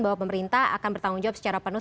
bahwa pemerintah akan bertanggung jawab secara penuh